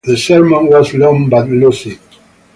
The sermon was long but lucid.